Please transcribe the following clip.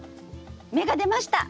芽が出ました！